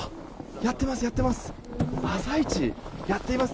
やっています、やっています！